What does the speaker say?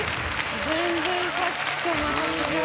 全然さっきとまた違う。